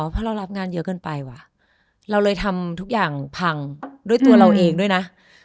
เพราะเรารับงานเยอะเกินไปว่ะเราเลยทำทุกอย่างพังด้วยตัวเราเองด้วยนะ